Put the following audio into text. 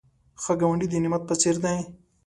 ښه ګاونډی د نعمت په څېر دی